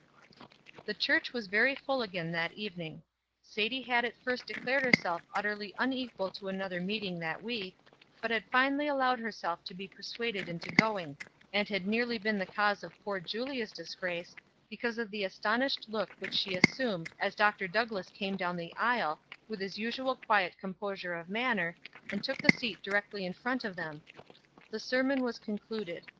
The church was very full again that evening. Sadie had at first declared herself utterly unequal to another meeting that week, but had finally allowed herself to be persuaded into going; and had nearly been the cause of poor Julia's disgrace because of the astonished look which she assumed as Dr. Douglass came down the aisle, with his usual quiet composure of manner, and took the seat directly in front of them. The sermon was concluded.